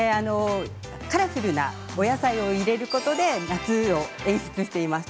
カラフルなお野菜を入れることで夏を演出しています。